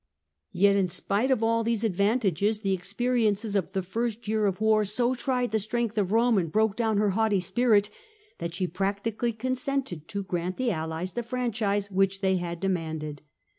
Yet, in spite of all these advantages, the experiences of the first year of war so tried the strength of Rome and broke down her haughty spirit, that she practically con sented to grant the allies the franchise which they had demanded.